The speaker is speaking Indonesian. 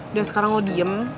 udah sekarang lo diem